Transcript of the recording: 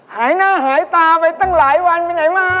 หายหน้าหายตาไปตั้งหลายวันไปไหนมา